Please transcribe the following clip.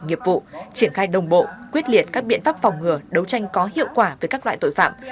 nghiệp vụ triển khai đồng bộ quyết liệt các biện pháp phòng ngừa đấu tranh có hiệu quả với các loại tội phạm